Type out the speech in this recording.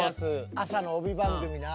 朝の帯番組な。